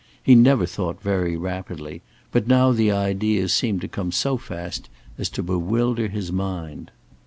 He never thought very rapidly, but now the ideas seemed to come so fast as to bewilder his mind.